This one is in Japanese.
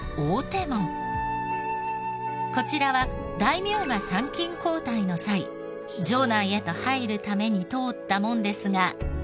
こちらは大名が参勤交代の際城内へと入るために通った門ですが。